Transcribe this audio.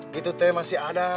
gitu teh masih ada